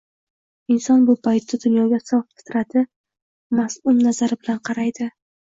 Inson bu paytda dunyoga sof fitrati, ma’sum nazari bilan qaraydi.